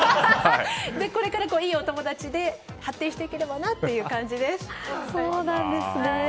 これからいいお友達で発展していければなという感じです。